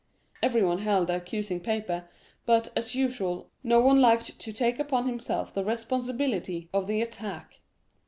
Everyone held the accusing paper, but, as usual, no one liked to take upon himself the responsibility of the attack.